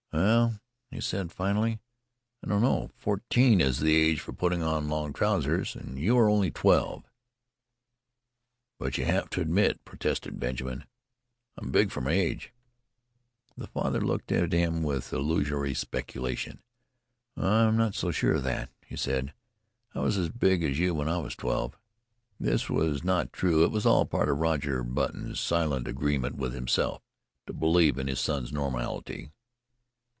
"Well," he said finally, "I don't know. Fourteen is the age for putting on long trousers and you are only twelve." "But you'll have to admit," protested Benjamin, "that I'm big for my age." His father looked at him with illusory speculation. "Oh, I'm not so sure of that," he said. "I was as big as you when I was twelve." This was not true it was all part of Roger Button's silent agreement with himself to believe in his son's normality.